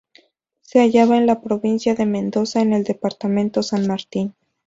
Se hallaba en la provincia de Mendoza en el Departamento San Martín.